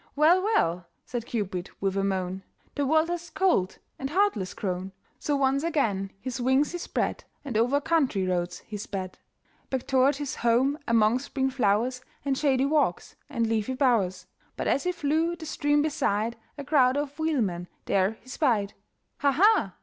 "Well, well!" said Cupid, with a moan, "The world has cold and heartless grown." So once again his wings he spread, And over country roads he sped, Back toward his home among spring flowers, And shady walks, and leafy bowers; But as he flew the stream beside, A crowd of wheelmen there he spied. "Ha! ha!"